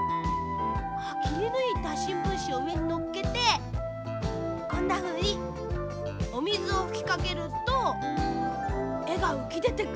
きりぬいたしんぶんしをうえにのっけてこんなふうにおみずをふきかけるとえがうきでてくるの。